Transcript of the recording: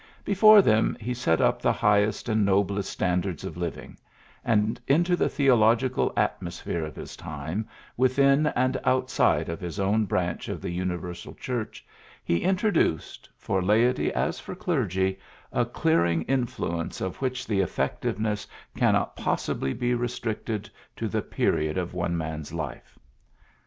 Before them he set up the high est and noblest standards of living ; and into the theological atmosphere of his time, within and outside of his own branch of the universal Church, he in troduced, for laity as for clergy, a clearing influence, of which the effec tiveness cannot possibly be restricted to the period of one man's life.